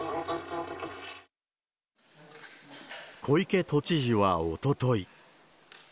小池都知事はおととい。